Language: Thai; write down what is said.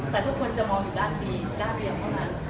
แต่ทุกคนจะมองอยู่ด้านนี้ด้านเดียวเท่านั้น